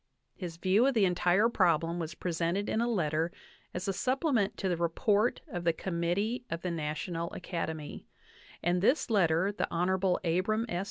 His view of the entire problem was presented in a letter as a supplement to the report of the Committee of the National Academy; and this letter the Hon. Abram S.